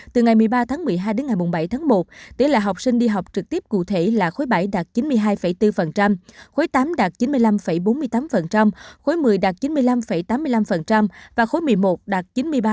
từ ngày một mươi ba tháng một mươi hai đến ngày bảy tháng một tỷ lệ học sinh đi học trực tiếp cụ thể là khối bảy đạt chín mươi hai bốn khối tám đạt chín mươi năm bốn mươi tám khối một mươi đạt chín mươi năm tám mươi năm và khối một mươi một đạt chín mươi ba